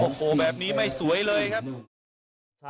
โอ้โหแบบนี้ไม่สวยเลยครับ